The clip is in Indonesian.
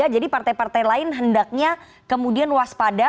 jadi partai partai lain hendaknya kemudian waspada